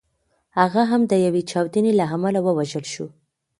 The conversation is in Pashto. هغه هم د یوې چاودنې له امله ووژل شو.